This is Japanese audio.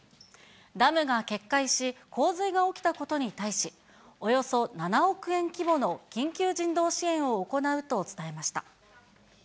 ダムが決壊し、洪水が起きたことに対し、およそ７億円規模の緊急人道支援を行うと伝えました。